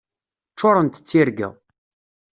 Ččurent d tirga.